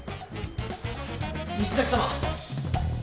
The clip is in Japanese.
・西崎様。